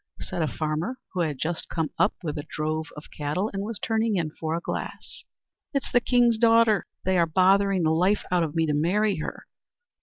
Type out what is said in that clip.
said a farmer, who had just come up with a drove of cattle, and was turning in for a glass. "It's the king's daughter. They are bothering the life out of me to marry her."